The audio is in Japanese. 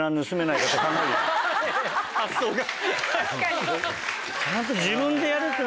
発想が。